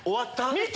見て。